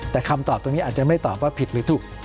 แต่คำตอบตรงนี้อาจจะไม่ตอบว่าผิดหรือถูก